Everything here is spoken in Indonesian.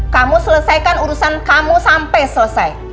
kamu selesaikan urusan kamu sampai selesai